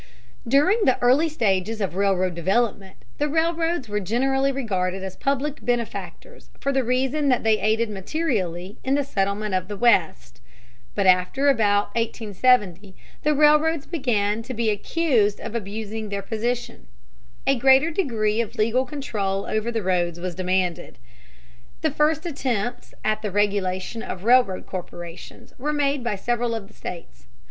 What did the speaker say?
During the early stages of railroad development, the railroads were generally regarded as public benefactors for the reason that they aided materially in the settlement of the West. But after about 1870 the railroads began to be accused of abusing their position. A greater degree of legal control over the roads was demanded. The first attempts at the regulation of railroad corporations were made by several of the states.